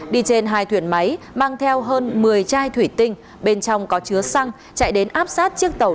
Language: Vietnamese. đi trên hai thuyền máy mang theo hơn một mươi chai thủy tinh bên trong có chứa xăng chạy đến áp sát chiếc tàu